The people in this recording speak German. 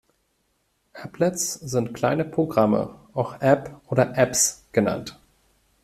Applets sind kleine Programme, auch App oder Apps genannt.